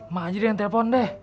mak saja yang telepon deh